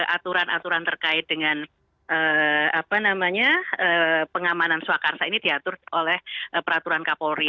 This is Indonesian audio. aturan aturan terkait dengan pengamanan swakarsa ini diatur oleh peraturan kapolri